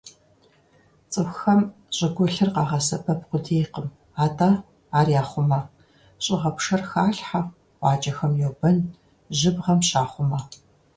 ЦӀыхухэм щӀыгулъыр къагъэсэбэп къудейкъым, атӀэ ар яхъумэ: щӀыгъэпшэр халъхьэ, къуакӀэхэм йобэн, жьыбгъэм щахъумэ.